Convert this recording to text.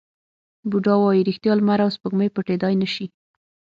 بودا وایي ریښتیا، لمر او سپوږمۍ پټېدای نه شي.